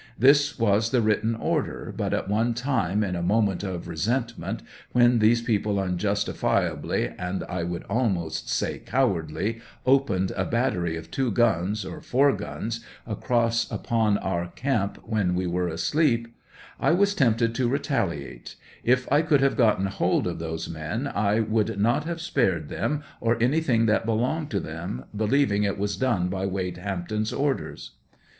This was the written order, but at one time, in a moment of resentment, when these people, unjustifi ably, and, I would almost say, cowardly, opened a bat tery of two guns, or four guns, across upon our camp when we were asleep ; I was tempted to retaliate ; if I could have gotten hold of those men I would not have spared them, or anything that belonged to them,' be lieving it was done by Wade Hampton's orders.